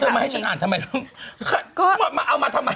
แล้วเธอไม่ให้ฉันอ่านทำไมเอามาทำไม